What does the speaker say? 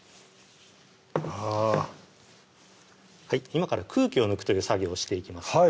今から空気を抜くという作業をしていきます